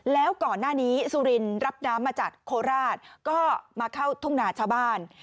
แล้วก่อนหน้านี้สุรินรับน้ำมาจากโคราชก็มาเข้าทุ่งนาชาวบ้าน